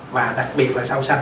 và đặc biệt là sau sanh